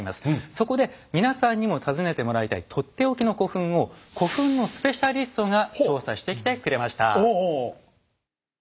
そこで皆さんにも訪ねてもらいたいとっておきの古墳を古墳のスペシャリストが調査してきてくれました。